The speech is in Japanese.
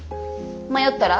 迷ったら。